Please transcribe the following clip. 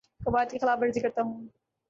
قوائد کی خلاف ورزی کرتا ہوں